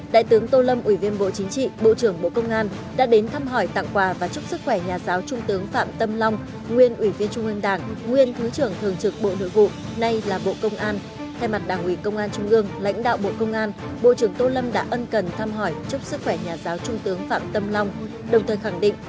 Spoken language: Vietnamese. đại tướng tô lâm ủy viên bộ chính trị bộ trưởng bộ công an nhân dân học viện chính trị bộ trưởng bộ công an nhân dân đã đến chúc mừng các thầy cô giáo và cám bộ quản lý giáo dục tại học viện chính trị bộ trưởng bộ công an nhân dân